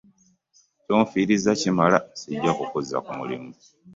Ky'onfiirizza kimala, ssijja kukuzza ku mulimu.